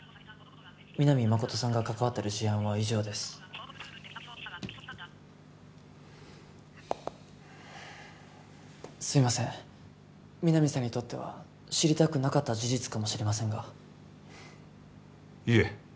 皆実誠さんが関わってる事案は以上ですすみません皆実さんにとっては知りたくなかった事実かもしれませんがいえ